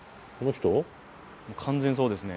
完全そうですね。